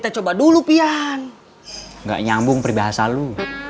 sambung perbahasa lo